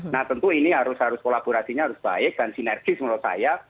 nah tentu ini harus kolaborasinya harus baik dan sinergis menurut saya